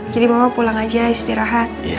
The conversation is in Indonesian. jadi mama pulang aja istirahat